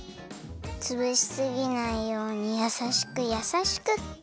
つぶしすぎないようにやさしくやさしく。